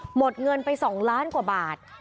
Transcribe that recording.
หมดเงินไป๒ล้านกว่าบาท